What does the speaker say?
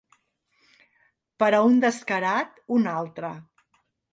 Per a un descarat, un altre.